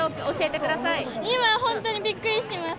今、本当にびっくりしてます。